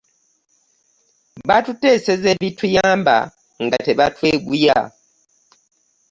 Batuteeseza ebitatuyamba nga tebatweguya.